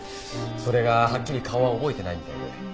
それがはっきり顔は覚えてないみたいで。